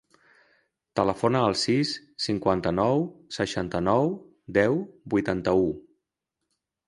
Telefona al sis, cinquanta-nou, seixanta-nou, deu, vuitanta-u.